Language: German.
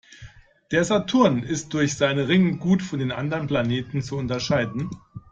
Der Saturn ist durch seine Ringe gut von den anderen Planeten zu unterscheiden.